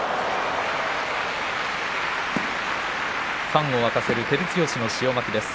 ファンを沸かせる照強の塩まきです。